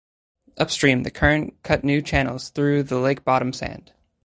Upstream, the current cut new channels through the lake-bottom sand.